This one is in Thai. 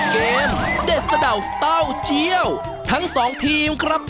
เด็ดสะดาวเต้าเจี้ยวทั้งสองทีมครับ